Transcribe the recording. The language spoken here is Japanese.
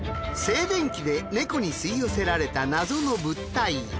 静電気で猫に吸い寄せられた謎の物体。